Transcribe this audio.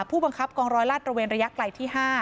ผู้บังคับกองร้อยลาดระเวนระยะไกลที่๕